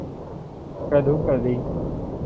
กระดิ่งกุ๊งกิ๊ง